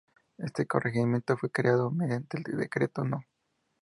Este corregimiento fue creado mediante el decreto No.